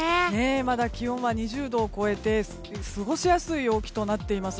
まだ気温は２０度を超えて過ごしやすい陽気となっています。